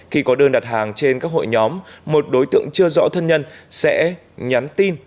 khi có đơn đặt hàng trên các hội nhóm một đối tượng chưa rõ thân nhân sẽ nhắn tin